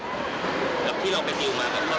แล้วที่เราไปติวมากันข้อสอบนี้มันต่างกันไหมครับ